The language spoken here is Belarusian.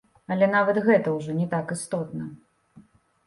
Але нават гэта ўжо не так істотна.